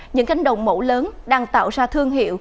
những cánh đồng mẫu lớn đang tạo ra thương hiệu